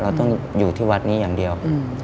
เราต้องอยู่ที่วัดนี้อย่างเดียว